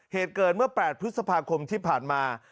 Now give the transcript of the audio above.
เหตุเกิดเมื่อ๘พฤษภาคมที่ผ่านมา